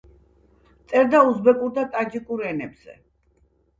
წერდა უზბეკურ და ტაჯიკურ ენებზე.